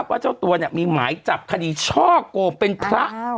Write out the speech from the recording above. เจ้าตัวมีหมายจับคดีช่อโกงเป็นพระ